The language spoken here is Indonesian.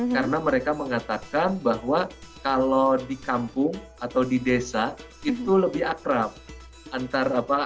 karena mereka mengatakan bahwa kalau di kampung atau di desa itu lebih akrab